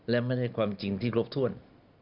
และไม่ได้ความจริงที่กล้วนท่วน